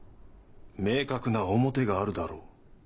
明確な表があるだろう。